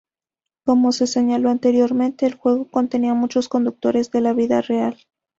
Como se señaló anteriormente, el juego contenía muchos conductores de la vida real.